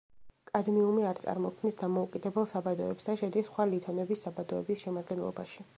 კადმიუმი არ წარმოქმნის დამოუკიდებელ საბადოებს, და შედის სხვა ლითონების საბადოების შემადგენლობაში.